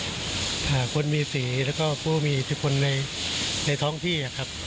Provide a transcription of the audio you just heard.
ความคิดว่าคนมีสีแล้วก็ผู้มีทุกคนในท้องที่